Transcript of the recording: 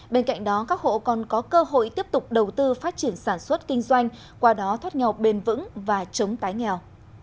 bên cạnh đó các hộ còn có cơ hội tiếp tục đầu tư phát triển sản xuất kinh doanh qua đó thoát nghèo bền vững và chống tái nghèo